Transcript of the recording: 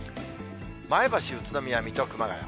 前橋、宇都宮、水戸、熊谷。